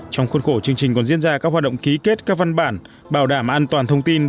trong khuôn khổ chương trình còn diễn ra các hoạt động ký kết các văn bản bảo đảm an toàn thông tin